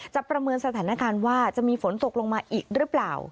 ประเมินสถานการณ์ว่าจะมีฝนตกลงมาอีกหรือเปล่า